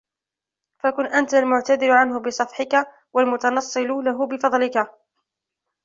فَكُنْ أَنْتَ الْمُعْتَذِرُ عَنْهُ بِصَفْحِك وَالْمُتَنَصِّلُ لَهُ بِفَضْلِك